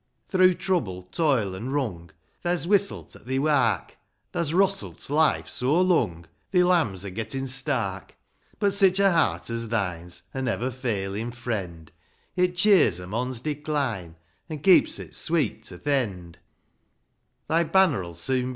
Through trouble, toil, an' wrung, Thae's whistle't at thi wark, Thae's wrostle't life so lung, Thi limbs are gettin' stark ; But sich a heart as thine's A never failin' friend ; It cheers a mon's decline, An' keeps it sweet to th' end.